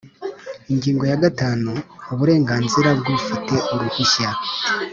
Ingingo ya gatanu Uburenganzira bw ufite uruhushya